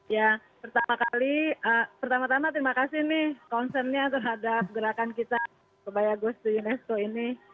ya pertama kali pertama tama terima kasih nih concernnya terhadap gerakan kita kebaya gus to unesco ini